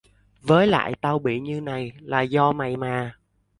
với lại tao bị như này là do mày mà